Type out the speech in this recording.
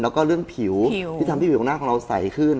แล้วก็เรื่องผิวที่ทำให้ผิวของหน้าของเราใสขึ้น